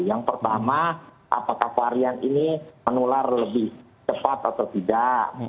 yang pertama apakah varian ini menular lebih cepat atau tidak